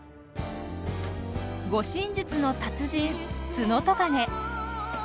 護身術の達人ツノトカゲ。